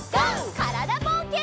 からだぼうけん。